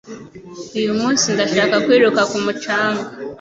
Uyu munsi ndashaka kwiruka ku mucanga